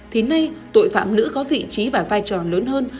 thì nay tội phạm nữ có vị trí và vai trò lớn hơn